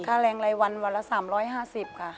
ค่าแรงรายวันวันละ๓๕๐ค่ะ